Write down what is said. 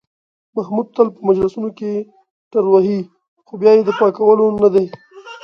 محمود تل په مجلسونو کې ټروهي، خو بیا یې د پاکولو نه دي.